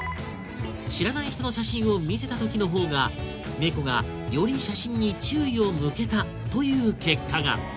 知らない人の写真を見せたときのほうが猫がより写真に注意を向けたという結果が！